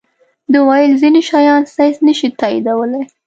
ده ویل ځینې شیان ساینس نه شي تائیدولی.